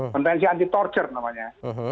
kontensi anti torture namanya